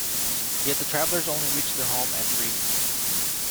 Yet the travellers only reached their home at three.